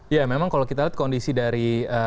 ya memang kalau kita lihat kondisi dari